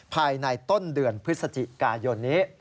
ภายในต้นเดือนพฤศจิกายนนี้